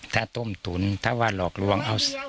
ถ้าต้มทุนถ้าว่าหลอกลวง